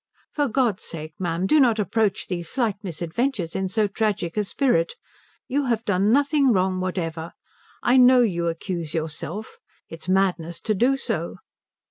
"For God's sake, ma'am, do not approach these slight misadventures in so tragic a spirit. You have done nothing wrong whatever. I know you accuse yourself. It is madness to do so.